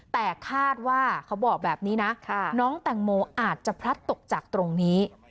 แต่คาดว่าเขาบอกแบบนี้นะน้องแตงโมอาจจะพลัดตกจากตรงนี้